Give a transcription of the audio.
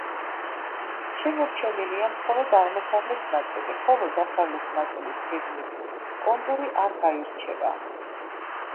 შემორჩენილია მხოლოდ აღმოსავლეთ ნაწილი, ხოლო დასავლეთ ნაწილის გეგმის კონტური არ გაირჩევა.